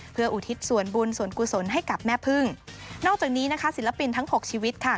เพื่ออุทิศส่วนบุญส่วนกุศลให้กับแม่พึ่งนอกจากนี้นะคะศิลปินทั้งหกชีวิตค่ะ